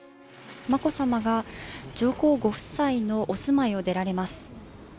眞子さまが上皇ご夫妻のお住まいを出られます。